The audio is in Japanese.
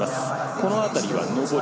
この辺りは上り。